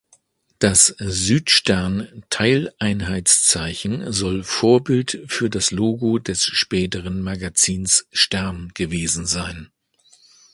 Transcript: Das "Südstern"-Teileinheitszeichen soll Vorbild für das Logo des späteren Magazins "Stern" gewesen sein.